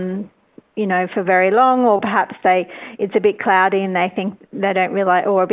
dan mereka pikir uv nya rendah